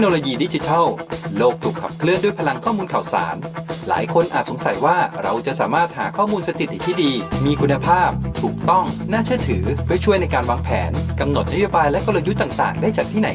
และกลยุตต่างได้จากที่ไหนกัน